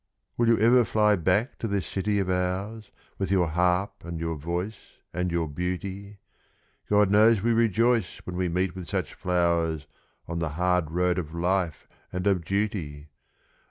Will you ever fly back to this city of ours With your harp and your voice and your beauty? God knows we rejoice when we meet with such flowers On the hard road of Life and of Duty!